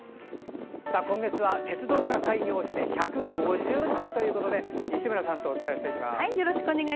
今月は鉄道が開業して１５０年ということで西村さんとお伝えします。